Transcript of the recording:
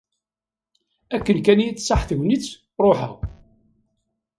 Akken kan i iyi-d-tṣaḥ tegnit, ṛuḥeɣ.